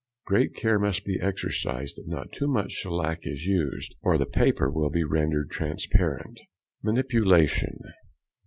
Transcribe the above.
Great care must be exercised that not too much shellac is used, or the paper will be rendered transparent. |161| MANIPULATION.